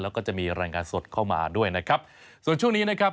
แล้วก็จะมีรายงานสดเข้ามาด้วยนะครับส่วนช่วงนี้นะครับ